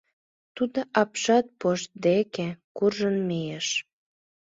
Тудо апшат пош деке куржын мийыш.